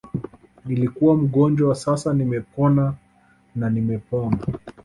Nilikuwa mgonjwa sasa nimepona na nimepona